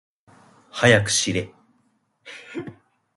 はやくしれ。